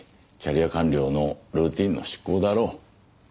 キャリア官僚のルーティンの出向だろう。